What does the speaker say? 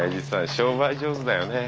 商売上手だよね。